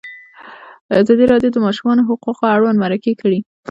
ازادي راډیو د د ماشومانو حقونه اړوند مرکې کړي.